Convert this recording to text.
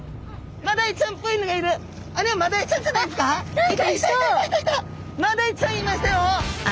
マダイちゃんいましたよ！